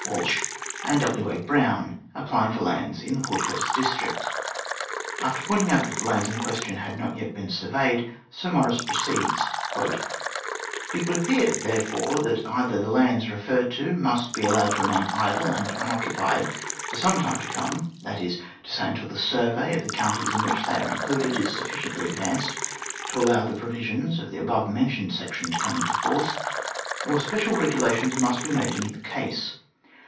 Walsh, and W. A. Brown, applying for lands in the Port Curtis district. After pointing out that the lands in question had not yet been surveyed, Sir Maurice proceeds : "It would appear, therefore, that either the lands referred to must be allowed to remain idle and unoccupied for some time to come, that is to say, until the survey of the counties in which they are included is sufficiently advanced to allow the provisions of the above mentioned section to come into force, or special regulations must be made to meet the case.